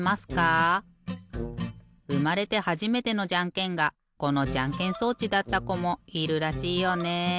うまれてはじめてのじゃんけんがこのじゃんけん装置だったこもいるらしいよね。